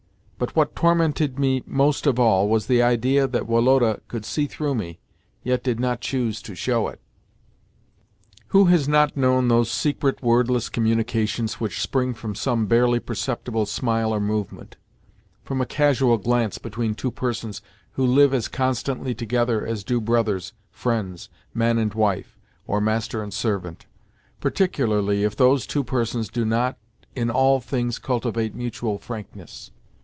But, what tormented me most of all was the idea that Woloda could see through me, yet did not choose to show it. Who has not known those secret, wordless communications which spring from some barely perceptible smile or movement—from a casual glance between two persons who live as constantly together as do brothers, friends, man and wife, or master and servant—particularly if those two persons do not in all things cultivate mutual frankness?